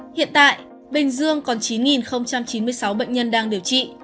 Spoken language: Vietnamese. hiện tại bình dương còn chín chín mươi sáu bệnh nhân đang điều trị